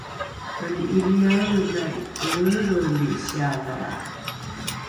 mani ’iniaelrenai elreelreeli sialalra